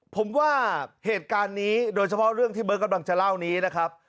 ผมว่าเหตุการณ์นี้โดยเฉพาะเรื่องที่เบิร์ตกำลังจะเล่านี้นะครับ